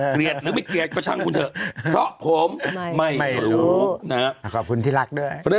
เกลียกหรือไม่เกลียกป่ะช่างคุณเถอะกรอกผมไม่รู้ก็ขอบคุณที่รักด้วย